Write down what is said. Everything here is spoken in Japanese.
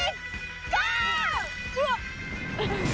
ゴー！